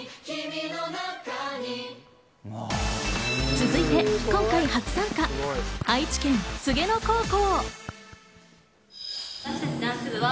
続いて今回初参加、愛知県黄柳野高校。